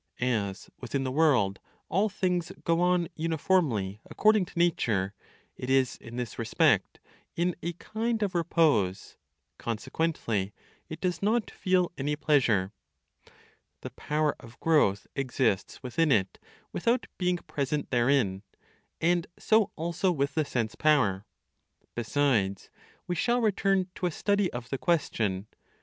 As, within the world, all things go on uniformly according to nature, it is, in this respect, in a kind of repose; consequently, it does not feel any pleasure. The power of growth exists within it without being present therein; and so also with the sense power. Besides, we shall return to a study of the question.